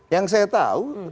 yang saya tahu